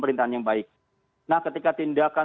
perintahan yang baik nah ketika tindakan